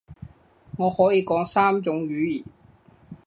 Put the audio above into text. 我可以講三種語言